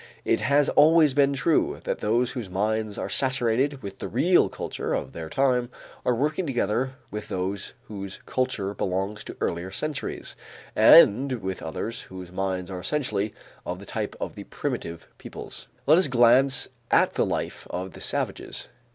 It has always been true that those whose minds are saturated with the real culture of their time are working together with those whose culture belongs to earlier centuries and with others whose minds are essentially of the type of the primitive peoples. Let us glance at the life of the savages.